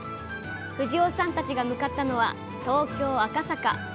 藤尾さんたちが向かったのは東京赤坂。